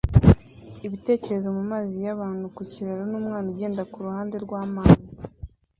Ibitekerezo mumazi yabantu ku kiraro numwana ugenda kuruhande rwamazi